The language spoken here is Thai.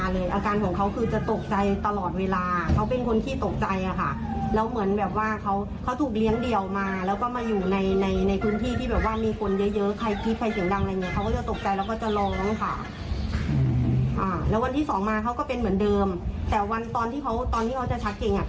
แล้วมันเกี่ยวข้องไม่ลากกับอาการอาเจียนทำให้ลูกตายนะ